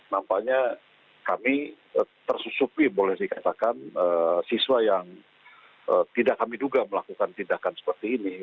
nampaknya kami tersusupi boleh dikatakan siswa yang tidak kami duga melakukan tindakan seperti ini